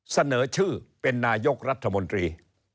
เสนอชื่อเป็นนายกรัฐมนตรี